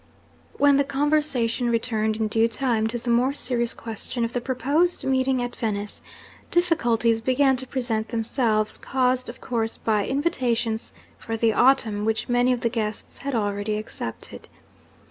'When the conversation returned in due time to the more serious question of the proposed meeting at Venice, difficulties began to present themselves, caused of course by invitations for the autumn which many of the guests had already accepted.